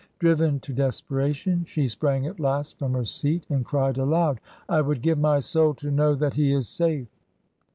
Driven to desperation she sprang at last from her seat and cried aloud. "I would give my soul to know that he is safe!"